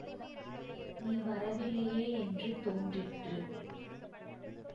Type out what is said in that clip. நீ வரவில்லையே என்று தோன்றிற்று.